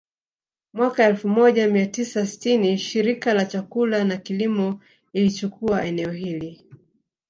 Mwaka elfu moja mia tisa sitini Shirika la Chakula na Kilimo ilichukua eneo hili